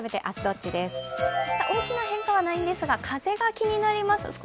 明日は大きな変化はないんですが、風が気になります。